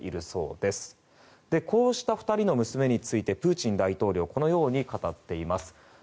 こうした２人の娘についてプーチン大統領はこのように語っています。